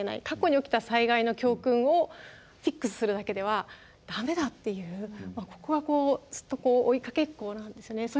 過去に起きた災害の教訓をフィックスするだけでは駄目だっていうここはこうずっと追いかけっこなんですね。